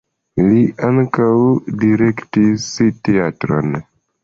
Li ankaŭ direktis teatron.